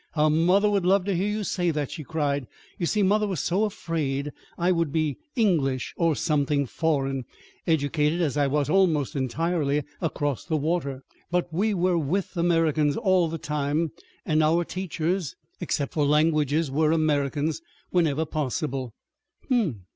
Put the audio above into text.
"How mother would love to hear you say that!" she cried. "You see, mother was so afraid I would be English, or something foreign educated as I was almost entirely across the water. But we were with Americans all the time, and our teachers, except for languages, were Americans, whenever possible."